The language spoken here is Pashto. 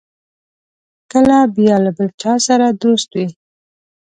کله بیا له بل چا سره دوست وي.